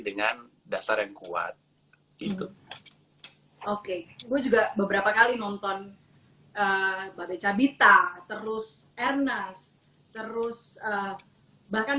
dengan dasar yang kuat gitu oke gue juga beberapa kali nonton bagai cabita terus ernest terus bahkan